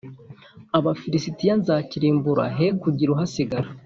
Abafilisitiya nzakirimbura he kugira uhasigara